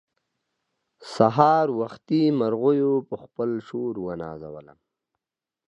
سهار وختي مرغيو په خپل شور ونازولم.